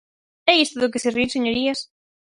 ¿É isto do que se rin, señorías?